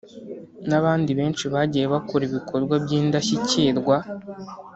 n’abandi benshi bagiye bakora ibikorwa by’indashyikirwa”